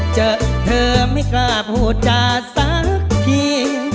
เจอเธอไม่กล้าพูดจาสักที